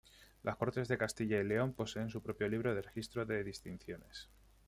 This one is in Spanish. Las Cortes de Castilla y León poseen su propio libro de registro de distinciones.